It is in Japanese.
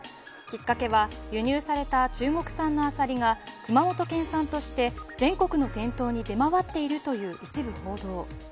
きっかけは輸入された中国産のアサリが熊本県産として全国の店頭に出回っているという一部報道。